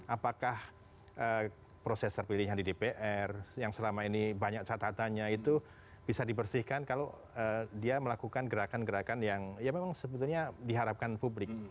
apakah proses terpilihnya di dpr yang selama ini banyak catatannya itu bisa dibersihkan kalau dia melakukan gerakan gerakan yang ya memang sebetulnya diharapkan publik